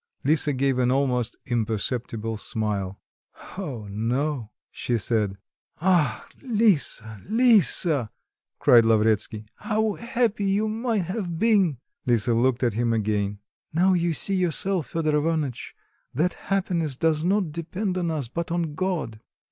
Lisa gave an almost imperceptible smile. "Oh, no!" she said. "Ah, Lisa, Lisa!" cried Lavretsky, "how happy you might have been!" Lisa looked at him again. "Now you see yourself, Fedor Ivanitch, that happiness does not depend on us, but on God."